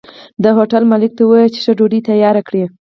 د هوټل مالک ته ووايه چې ښه ډوډۍ تياره کړي